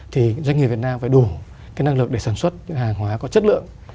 thì doanh nghiệp việt nam phải đủ cái năng lực để sản xuất những hàng hóa có chất lượng